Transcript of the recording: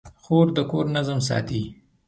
خور د کور نظم ساتي.